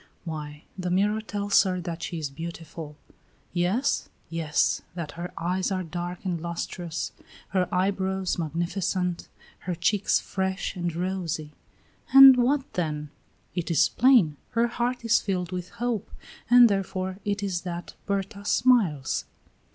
"Why, the mirror tells her that she is beautiful." "Yes?" "Yes; that her eyes are dark and lustrous, her eyebrows magnificent, her cheeks fresh and rosy." "And what then?" "It is plain; her heart is filled with hope, and therefore it is that Berta smiles."